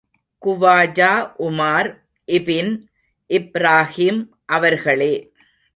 Khawaja Umar ibn Ibrahim அவர்களே!